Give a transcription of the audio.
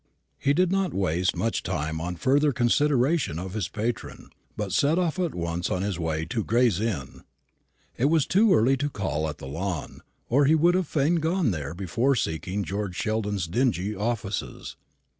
He did not waste much time on further consideration of his patron, but set off at once on his way to Gray's Inn. It was too early to call at the Lawn, or he would fain have gone there before seeking George Sheldon's dingy offices.